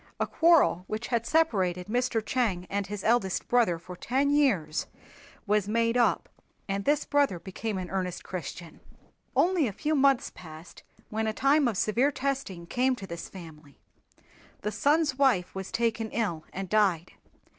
A quarrel which had separated Mr. Chang and his eldest brother for ten years was made up and this brother became an earnest Christian. Only a few months passed when a time of severe testing came to this family. The son's wife was taken ill and died.